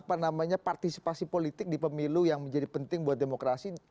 apa namanya partisipasi politik di pemilu yang menjadi penting buat demokrasi